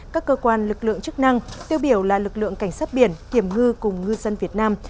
các cơ quan lực lượng chức năng tiêu biểu là lực lượng cảnh sát biển kiểm ngư cùng ngư dân việt nam